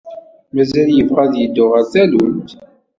Mazal yebɣa ad yeddu ɣer tallunt?